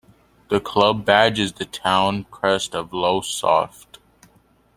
The club badge is the town crest of Lowestoft.